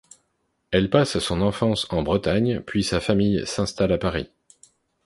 Elle passe son enfance en Bretagne puis sa famille s'installe à Paris.